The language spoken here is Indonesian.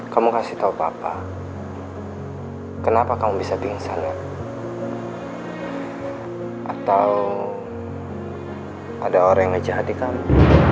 kamu kasih tahu papa kenapa kamu bisa pingsan atau ada orang ngejahat di kamu